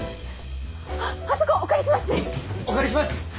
あっあそこお借りしますね！